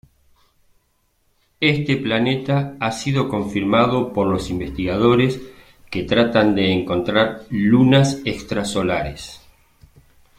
Este planeta ha sido confirmado por los investigadores que tratan de encontrar lunas extrasolares.